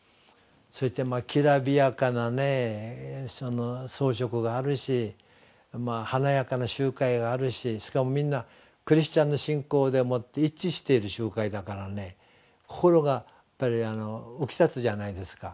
そしてきらびやかなね装飾があるし華やかな集会があるししかもみんなクリスチャンの信仰でもって一致している集会だからね心がやっぱり浮きたつじゃないですか。